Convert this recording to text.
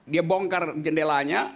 dia bongkar jendelanya